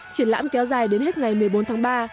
triển lãm kéo dài đến hết ngày một mươi bốn tháng ba